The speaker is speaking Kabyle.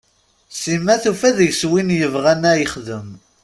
Sima tufa deg-s win yebɣan a yexdem.